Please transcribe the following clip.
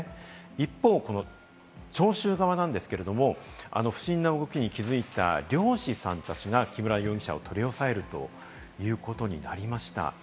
一方、聴衆側なんですけど、不審な動きに気づいた漁師さんたちが木村容疑者を取り押さえるということになりました。